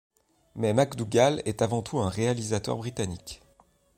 Mais McDougall est avant tout un réalisateur britannique.